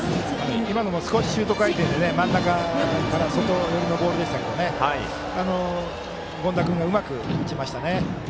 今のも少しシュート回転で真ん中から外寄りのボールでしたが権田君がうまく打ちましたね。